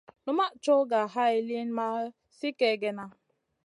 Numaʼ coyh ga hay liyn ma sli kègèna.